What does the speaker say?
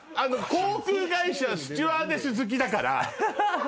航空会社スチュワーデス好きだから。